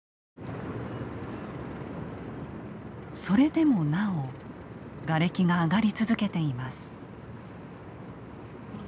それでもなおガレキが揚がり続けています。